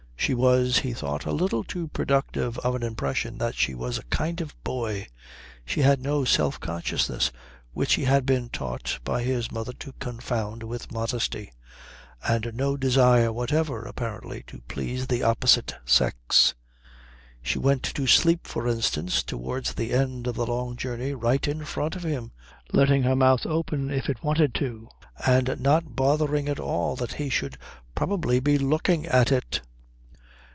She was, he thought, a little too productive of an impression that she was a kind of boy. She had no self consciousness, which he had been taught by his mother to confound with modesty, and no desire whatever apparently to please the opposite sex. She went to sleep, for instance, towards the end of the long journey right in front of him, letting her mouth open if it wanted to, and not bothering at all that he should probably be looking at it.